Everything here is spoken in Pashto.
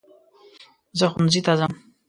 زه ښونځي ته ځم.